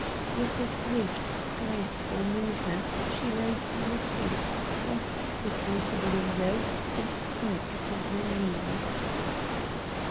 With a swift, graceful movement she rose to her feet, crossed quickly to the window, and sank upon her knees.